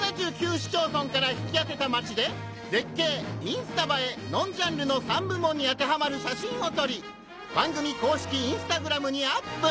市町村から引き当てたマチで「絶景」・「インスタ映え」・「ノンジャンル」の３部門に当てはまる写真を撮り『番組公式Ｉｎｓｔａｇｒａｍ』にＵＰ！